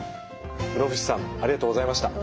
室伏さんありがとうございました。